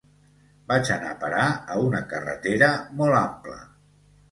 Vaig anar a parar a una carretera molt ampla.